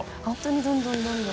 どんどんどんどん。